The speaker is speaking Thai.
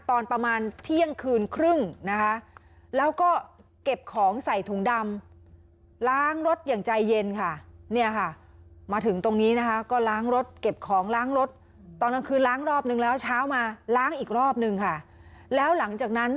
ก็ขี่รถมอเตอร์ไซค์ออกจากบ้าน